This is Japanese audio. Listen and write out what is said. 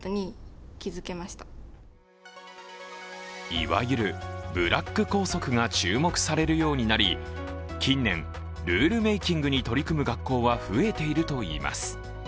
いわゆるブラック校則が注目されるようになり、近年、ルールメイキングに取り組む学校は増えているといいます。